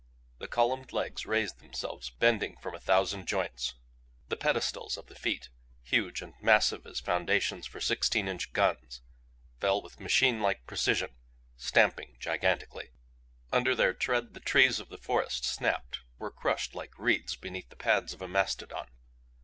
The columned legs raised themselves, bending from a thousand joints. The pedestals of the feet, huge and massive as foundations for sixteen inch guns, fell with machinelike precision, stamping gigantically. Under their tread the trees of the forest snapped, were crushed like reeds beneath the pads of a mastodon.